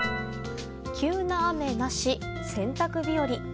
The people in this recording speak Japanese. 急な雨なし、洗濯日和。